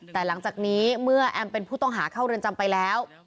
แต่หลังจากนี้เมื่อแอมเป็นผู้ต้องหาเข้าเรือนจำไปแล้ว